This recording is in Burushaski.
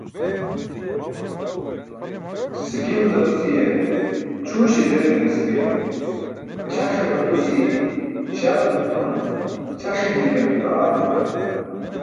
Sikim darusi̇ye ćʰuuśi̇ derginas ke, ćʰaṣe pʰatusi̇ śarum numuman ćʰaṣ i̇lijkan daġam juwan.